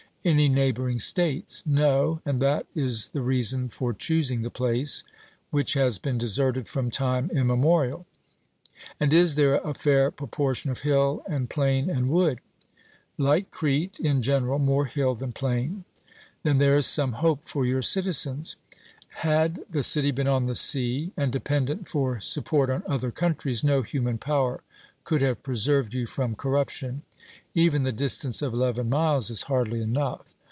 Any neighbouring states? 'No; and that is the reason for choosing the place, which has been deserted from time immemorial.' And is there a fair proportion of hill and plain and wood? 'Like Crete in general, more hill than plain.' Then there is some hope for your citizens; had the city been on the sea, and dependent for support on other countries, no human power could have preserved you from corruption. Even the distance of eleven miles is hardly enough.